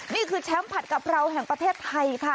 นี่คือแชมป์ผัดกะเพราแห่งประเทศไทยค่ะ